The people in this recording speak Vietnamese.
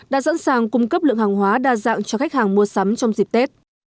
đã sẵn sàng cung cấp lượng hàng hóa đa dạng cho khách hàng mua sắm trong dịp tết